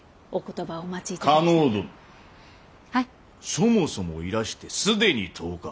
そもそもいらして既に１０日！